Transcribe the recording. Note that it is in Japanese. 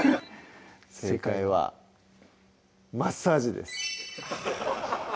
正解はマッサージです